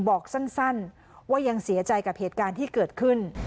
บอกสั้นว่ายังเสียใจกับเหตุการณ์ที่เกิดขึ้น